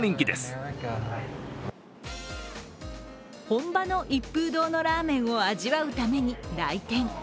本場の一風堂のラーメンを味わうために来店。